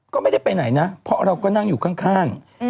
ก็ไม่ได้ไปไหนนะเพราะเราก็นั่งอยู่ข้าง